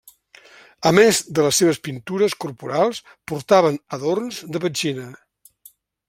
A més de les seves pintures corporals portaven adorns de petxina.